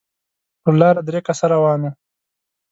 پر لاره درې کسه روان وو.